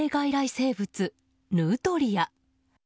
生物、ヌートリア。